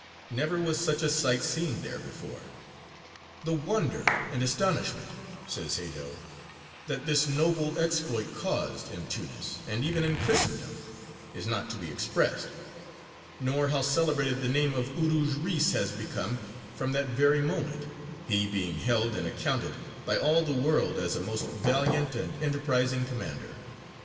Never was such a sight seen there before. "The wonder and astonishment," says Haedo, "that this noble exploit caused in Tunis, and even in Christendom, is not to be expressed, nor how celebrated the name of Urūj Reïs was become from that very moment; he being held and accounted by all the world as a most valiant and enterprizing commander.